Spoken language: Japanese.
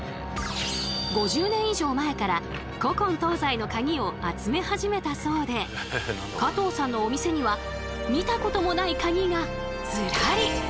５０年以上前から古今東西のカギを集め始めたそうで加藤さんのお店には見たこともないカギがズラリ。